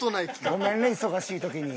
ごめんね忙しい時に。